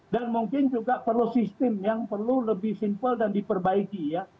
dan mungkin juga perlu sistem yang perlu lebih simple dan diperbaiki ya